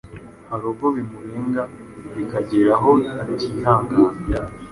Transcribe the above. hari ubwo bimurenga bikagera aho atihangana